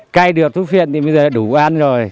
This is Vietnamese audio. cây được thuốc phiền thì bây giờ đủ ăn rồi